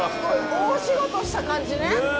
大仕事した感じね。ねぇ。